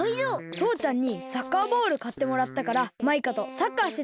とうちゃんにサッカーボールかってもらったからマイカとサッカーしてたんだ。